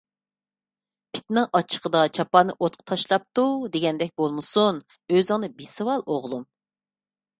«پىتنىڭ ئاچچىقىدا چاپاننى ئوتقا تاشلاپتۇ» دېگەندەك بولمىسۇن، ئۆزۈڭنى بېسىۋال ئوغلۇم!